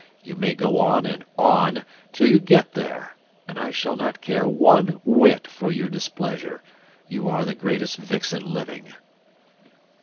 You may go on and on till you get there, and I shall not care one whit for your displeasure; you are the greatest vixen living."